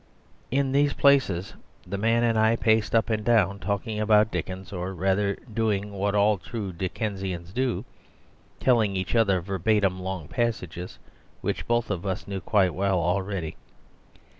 In these places the man and I paced up and down talking about Dickens, or, rather, doing what all true Dickensians do, telling each other verbatim long passages which both of us knew quite well already.